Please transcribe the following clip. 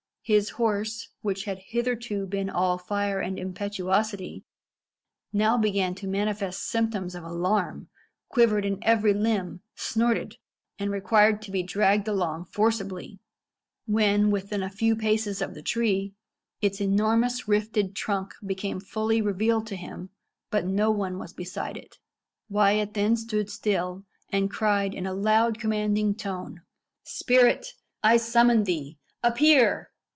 His horse, which had hitherto been all fire and impetuosity, now began to manifest symptoms of alarm, quivered in every limb, snorted, and required to be dragged along forcibly. When within a few paces of the tree, its enormous rifted trunk became fully revealed to him; but no one was beside it. Wyat then stood still, and cried in a loud, commanding tone, "Spirit, I summon thee! appear!"